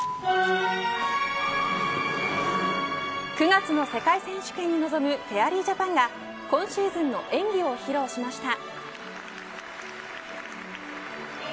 ９月の世界選手権に臨むフェアリージャパンが今シーズンの演技を披露しました。